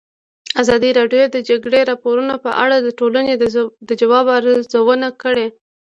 ازادي راډیو د د جګړې راپورونه په اړه د ټولنې د ځواب ارزونه کړې.